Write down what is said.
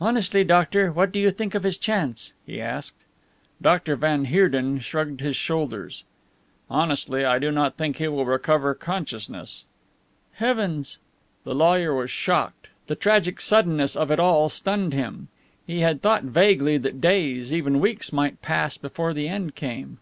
"Honestly, doctor, what do you think of his chance?" he asked. Dr. van Heerden shrugged his shoulders. "Honestly, I do not think he will recover consciousness." "Heavens!" The lawyer was shocked. The tragic suddenness of it all stunned him. He had thought vaguely that days, even weeks, might pass before the end came.